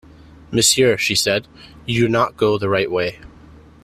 "Monsieur," she said, "you do not go the right way."